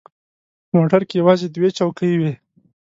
په موټر کې یوازې دوې چوکۍ وې.